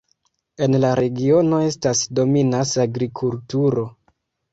En la regiono estas dominas agrikulturo.